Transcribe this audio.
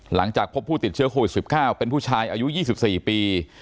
หลังจากพบผู้ติดเชื้อโควิด๑๙เป็นผู้ชายอายุ๒๔ปี